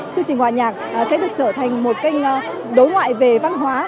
chương trình hòa nhạc sẽ được trở thành một kênh đối ngoại về văn hóa